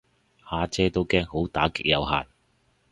呀姐都驚好打極有限